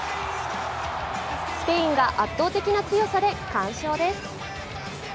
スペインが圧倒的な強さで完勝です。